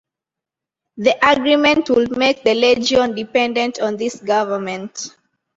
The agreement would make the Legion dependent on this government.